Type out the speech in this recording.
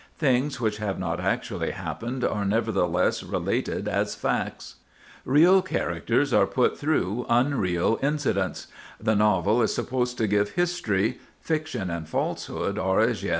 Things which have not actually happened are nevertheless related as facts; real characters are put through unreal incidents; the novel is supposed to give history; fiction and falsehood are as yet confused.